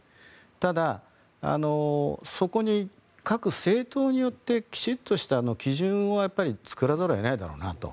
ただ、そこに各政党によってきちんとした基準を作らざるを得ないだろうなと。